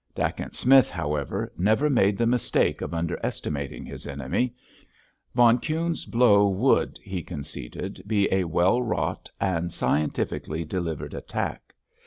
Dacent Smith, however, never made the mistake of under estimating his enemy. Von Kuhne's blow would, he conceded, be a well wrought and scientifically delivered attack.